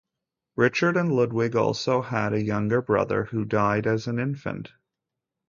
Richard and Ludwig also had a younger brother, who died as an infant.